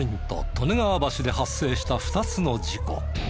利根川橋で発生した２つの事故。